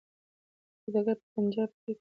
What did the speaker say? سوداګر په پنجاب کي تجارت کوي.